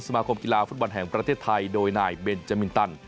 สมาคมกีฬาฟุตบอลแห่งประเทศไทยโดยนายเบนจามินตัน